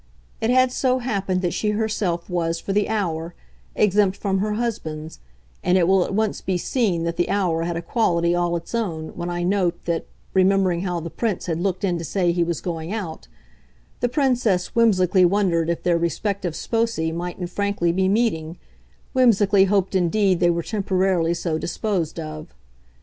It had so happened that she herself was, for the hour, exempt from her husband's, and it will at once be seen that the hour had a quality all its own when I note that, remembering how the Prince had looked in to say he was going out, the Princess whimsically wondered if their respective sposi mightn't frankly be meeting, whimsically hoped indeed they were temporarily so disposed of.